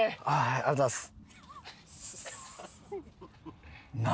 ありがとうございます。